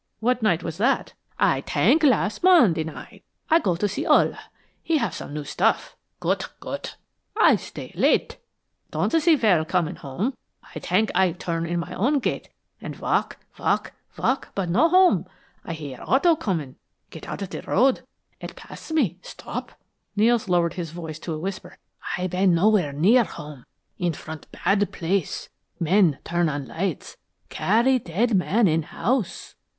"What night was that?" "Aye tenk las' Monday night. Aye go see Ole. He have some new stuff goodt goodt. Aye stay late don't see well com'n' home. Aye tenk Aye turn in my own gate and walk walk walk but no home. Aye hear auto com'n' get out of de road. Et pass me stop." Nels lowered his voice to a whisper. "Aye bane nowhere near home in front bad place. Men turn on lights CARRY DEAD MAN IN HOUSE!"